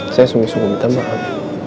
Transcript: saya sungguh sungguh minta maaf